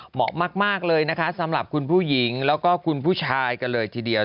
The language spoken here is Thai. เหมาะมากเลยนะคะสำหรับคุณผู้หญิงแล้วก็คุณผู้ชายกันเลยทีเดียว